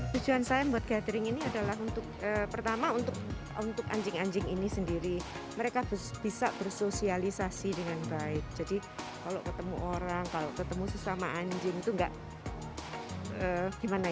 tujuan saya buat gathering ini adalah untuk pertama untuk anjing anjing ini sendiri mereka bisa bersosialisasi dengan baik jadi kalau ketemu orang kalau ketemu sesama anjing itu enggak gimana